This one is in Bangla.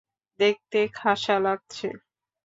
দেখতে খাসা লাগছে!